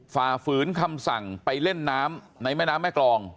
ฝ่าฝืนคำสั่งไปเล่นน้ำในแม่น้ำแม่กรอง